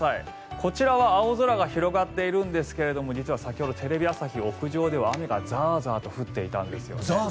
こちらは青空が広がっているんですけれども実は先ほどテレビ朝日屋上では雨がザーザーと降っていたんですよね。